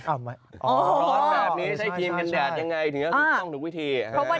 ร้อนแบบนี้ใช้ครีมกันแดดยังไงถึงจะถูกต้องทุกวิธี